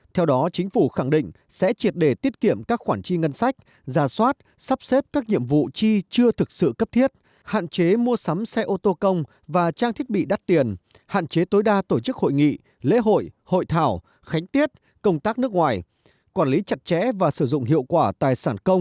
theo đó chính phủ khẳng định sẽ triệt đề tiết kiệm các khoản chi ngân sách gia soát sắp xếp các nhiệm vụ chi chưa thực sự cấp thiết hạn chế mua sắm xe ô tô công và trang thiết bị đắt tiền hạn chế tối đa tổ chức hội nghị lễ hội hội thảo khánh tiết công tác nước ngoài